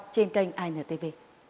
trên kênh intv